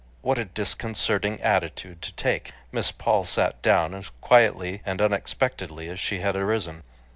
What a disconcerting attitude to take! Miss Paul sat down as quietly and unexpectedly as she had arisen.